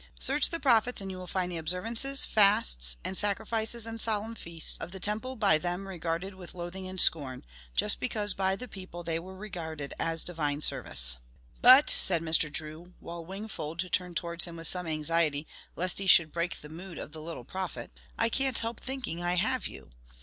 Search the prophets and you will find the observances, fasts and sacrifices and solemn feasts, of the temple by them regarded with loathing and scorn, just because by the people they were regarded as DIVINE SERVICE." "But," said Mr. Drew, while Wingfold turned towards him with some anxiety lest he should break the mood of the little prophet, "I can't help thinking I have you!